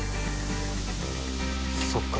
そっか。